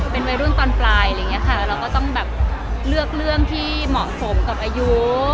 เป็นวัยรุ่นตอนปลายเราก็ต้องเลือกเรื่องที่เหมาะสมกับอายุ